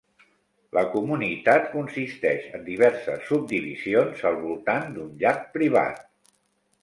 La comunitat consisteix en diverses subdivisions al voltant d'un llac privat.